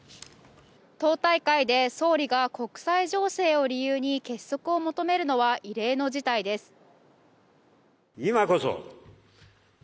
党大会で総理が国際情勢を理由に結束を呼び掛けるのは異例の事態です。